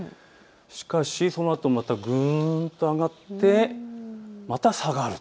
しかしそのあとまたぐんと上がって、また下がる。